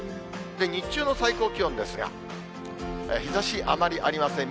日中の最高気温ですが、日ざし、あまりありません。